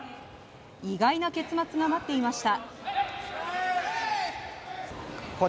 意外な結末が待っていました。